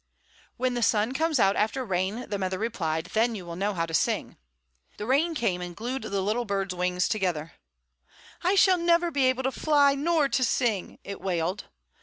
"When the sun comes out after rain," the mother replied, "then you will know how to sing." The rain came, and glued the little bird's wings together. "I shall never be able to fly nor to sing," it wailed.